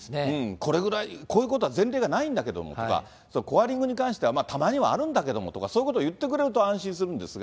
これぐらいこういうことは前例がないんだけれども、コアリングに関しては、たまにはあるんだけどもとか、そういうことを言ってくれると安心するんですが。